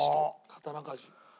刀鍛冶。